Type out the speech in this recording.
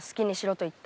と言った。